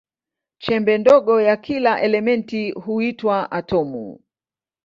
Chembe ndogo ya kila elementi huitwa atomu.